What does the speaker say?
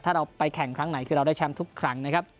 ถ้าเราไปแข่งครั้งไหนคือเราได้แชมป์ทุกครั้งนะครับ